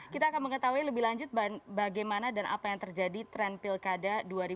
kita akan mengetahui lebih lanjut bagaimana dan apa yang terjadi tren pilkada dua ribu delapan belas